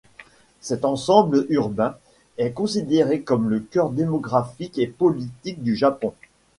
Cet ensemble urbain est considéré comme le cœur démographique et politique du Japon.